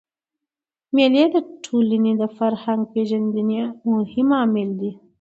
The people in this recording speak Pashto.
مېلې د ټولني د فرهنګ پېژندني مهم عامل دئ.